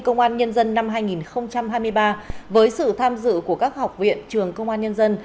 công an nhân dân năm hai nghìn hai mươi ba với sự tham dự của các học viện trường công an nhân dân